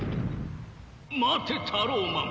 待てタローマン。